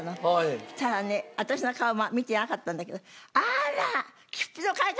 そしたらね私の顔見てなかったんだけど「あら！切符の買い方